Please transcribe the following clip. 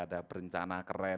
ada berencana keren